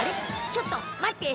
ちょっと待って。